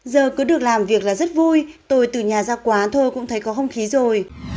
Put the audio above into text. giờ cứ được làm việc là rất vui tôi từ nhà ra quá thôi cũng thấy có không khí rồi